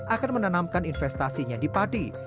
akan menanamkan investasinya di padi